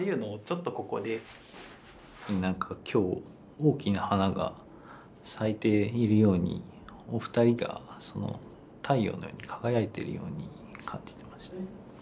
なんか今日大きな花が咲いているようにお二人がその太陽のように輝いてるように感じてました。